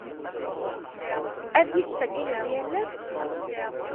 Ad iyi-d-tessakayem yal ass?